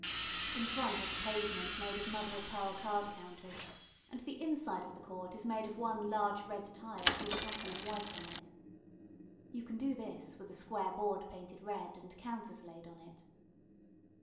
In front is a pavement made of mother of pearl card counters, and the inside of the court is made of one large red tile with a pattern of white on it. (You can do this with a square board painted red, and counters laid on it.)